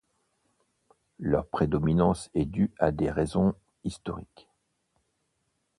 Leur prédominance est due à des raisons historiques.